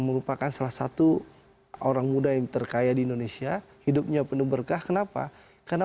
merupakan salah satu orang muda yang terkaya di indonesia hidupnya penuh berkah kenapa karena